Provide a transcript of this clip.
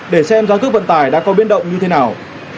để xem giá cước vận tải đã có biến động như thế nào